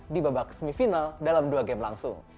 di babak semifinal dalam dua game langsung